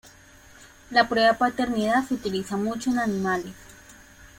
La prueba de paternidad se utiliza mucho en animales.